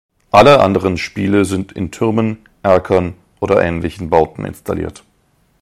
Alle anderen Spiele sind in Türmen, Erkern oder ähnlichen Bauten installiert.